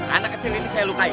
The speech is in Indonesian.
anak kecil ini saya lukai